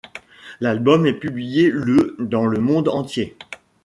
L'album est publié le dans le monde entier.